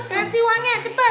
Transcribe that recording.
kasih uangnya cepet